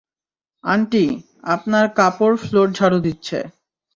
Aunty, আপনার কাপড় floor ঝাড়ু দিচ্ছে।